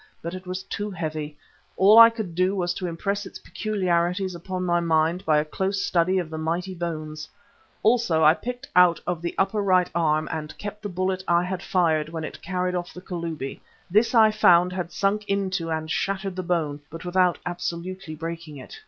But it was too heavy; all I could do was to impress its peculiarities upon my mind by a close study of the mighty bones. Also I picked out of the upper right arm, and kept the bullet I had fired when it carried off the Kalubi. This I found had sunk into and shattered the bone, but without absolutely breaking it.